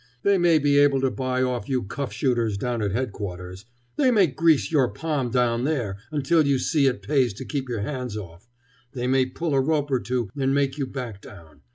"They may be able to buy off you cuff shooters down at Headquarters. They may grease your palm down there, until you see it pays to keep your hands off. They may pull a rope or two and make you back down.